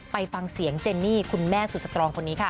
ไปฟังเสียงเจนนี่คุณแม่สุดสตรองคนนี้ค่ะ